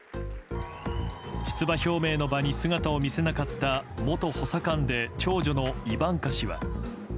出馬表明の場に姿を見せなかった元補佐官の長女のイバンカ氏は。